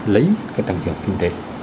lấy cái tăng trưởng kinh tế